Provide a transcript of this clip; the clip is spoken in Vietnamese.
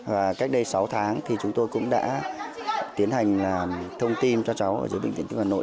và cách đây sáu tháng thì chúng tôi cũng đã tiến hành thông tin cho cháu ở dưới bệnh viện tim hà nội